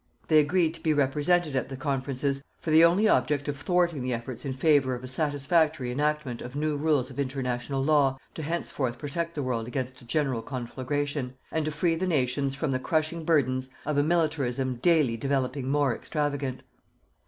They agreed to be represented at the Conferences for the only object of thwarting the efforts in favour of a satisfactory enactment of new rules of International Law to henceforth protect the world against a general conflagration, and to free the nations from the crushing burdens of a militarism daily developing more extravagant.